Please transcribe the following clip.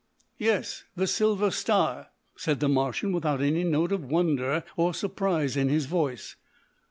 "Yes, the Silver Star," said the Martian without any note of wonder or surprise in his voice.